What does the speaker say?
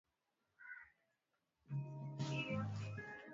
mbili tatu kwa wiki hapa mjini nairobi